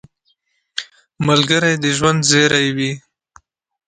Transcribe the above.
ملګری د ژوند زېری وي